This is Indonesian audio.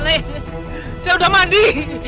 saya sudah mandi